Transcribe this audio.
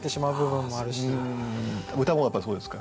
歌もやっぱりそうですか？